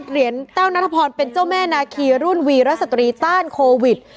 เหรียญแต้วนัทพรเป็นเจ้าแม่นาคีรุ่นวีรสตรีต้านโควิด